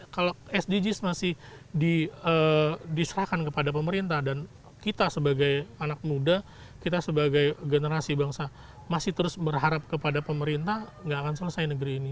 kalau sdgs masih diserahkan kepada pemerintah dan kita sebagai anak muda kita sebagai generasi bangsa masih terus berharap kepada pemerintah nggak akan selesai negeri ini